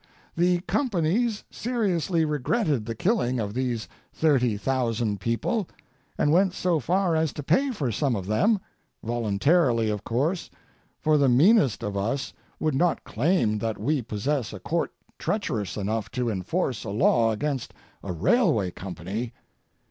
The companies seriously regretted the killing of these thirty thousand people, and went so far as to pay for some of them—voluntarily, of course, for the meanest of us would not claim that we possess a court treacherous enough to enforce a law against a railway company.